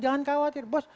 jangan khawatir bos